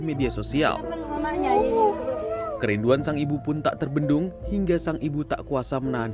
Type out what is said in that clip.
media sosial kerinduan sang ibu pun tak terbendung hingga sang ibu tak kuasa menahan